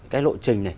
cái lộ trình này